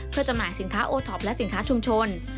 เพื่อจำหน่ายสินค้าโอท็อปและสินค้าชุมชน